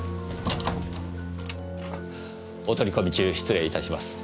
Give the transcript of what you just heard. お取り込み中失礼いたします。